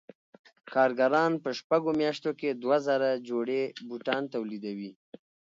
کارګران په شپږو میاشتو کې دوه زره جوړې بوټان تولیدوي